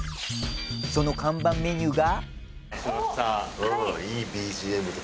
その看板メニューが。